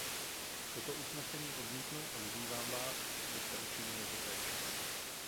Toto usnesení odmítnu a vyzývám vás, abyste učinili totéž.